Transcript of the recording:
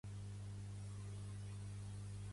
Pertany al moviment independentista l'Aurora?